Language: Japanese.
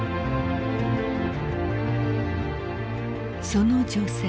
［その女性